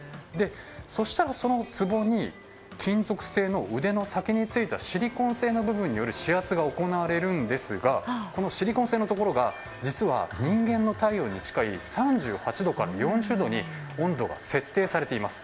そうしたら、そのつぼに金属製の腕の先についたシリコン製の部分による指圧が行われるんですがこのシリコン製のところが人間の体温に近い３８度から４０度に温度が設定されています。